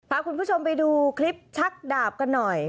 พาคุณผู้ชมไปดูคลิปชักดาบกันหน่อย